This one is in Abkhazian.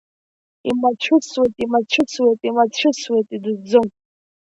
Имацәысуеит, имацәысуеит, имацәысуеит, идыдӡом.